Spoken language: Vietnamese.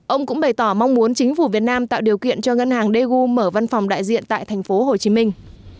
ông cũng bày tỏ mong muốn chính phủ việt nam tạo điều kiện cho ngân hàng daegu mở văn phòng đại diện tại thành phố hồ chí minh